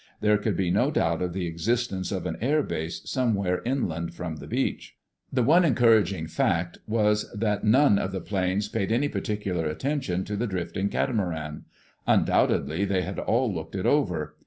There could be no doubt of the existence of an air base somewhere inland from the beach. The one encouraging fact was that none of the planes paid any particular attention to the drifting catamaran. Undoubtedly they had all looked it over.